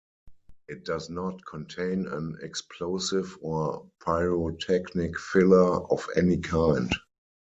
It does not contain an explosive or pyrotechnic filler of any kind.